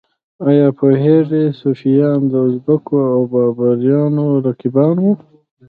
ایا پوهیږئ صفویان د ازبکو او بابریانو رقیبان وو؟